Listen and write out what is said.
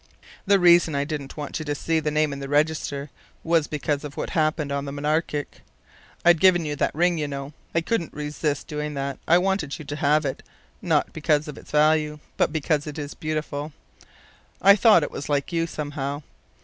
The reason I didn't want you to see the name in the register was because of what happened on the Monarchic. I'd given you that ring, you know. I couldn't resist doing that. I wanted you to have it, not because of its value, but because it's beautiful. I thought it was like you, somehow.